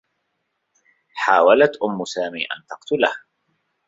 حاولت أمّ سامي أن تقتله.